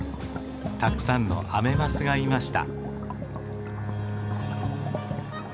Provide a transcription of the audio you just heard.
たくさんのアメマスがいました。